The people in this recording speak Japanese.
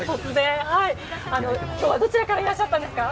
今日はどちらからいらっしゃったんですか？